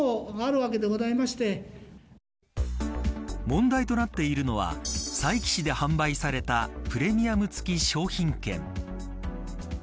問題となっているのは佐伯市で販売されたプレミアム付き商品券。